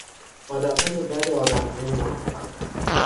عادتهای بد آدمهای موفق